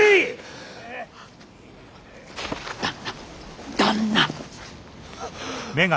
旦那旦那！